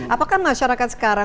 apakah masyarakat sekarang